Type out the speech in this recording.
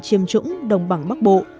chiêm trũng đồng bằng bắc bộ